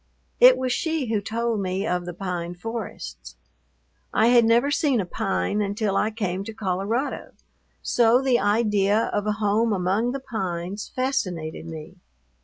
It was she who told me of the pine forests. I had never seen a pine until I came to Colorado; so the idea of a home among the pines fascinated me.